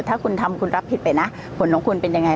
ถ้าคุณทำคุณรับผิดไปนะผลของคุณเป็นยังไง